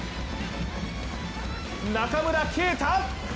中村慶太！